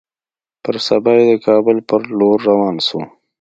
پر سبا يې د کابل پر لور روان سو.